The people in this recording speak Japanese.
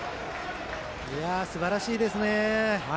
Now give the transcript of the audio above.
すばらしいですね。